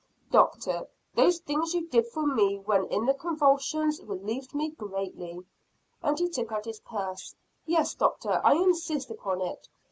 "Doctor, those things you did for me when in the convulsions, relieved me greatly," and he took out his purse. "Yes, Doctor, I insist upon it.